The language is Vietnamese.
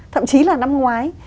thậm chí là năm ngoái